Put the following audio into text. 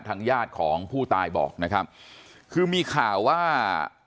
ทางญาติของผู้ตายบอกนะครับคือมีข่าวว่า